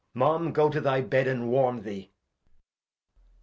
Mum, go to the Bed and warm thee.